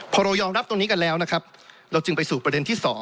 พอเรายอมรับตรงนี้กันแล้วนะครับเราจึงไปสู่ประเด็นที่๒